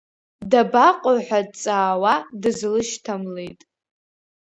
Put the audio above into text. Дабаҟоу ҳәа дҵаауа дызлышьҭамлеит.